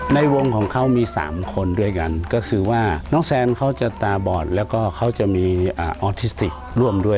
ในวงของเขามี๓คนด้วยกันก็คือว่าน้องแซนเขาจะตาบอดแล้วก็เขาจะมีออทิสติกร่วมด้วย